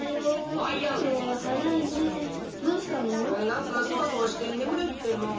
なんかソワソワしてねむれんくてのう。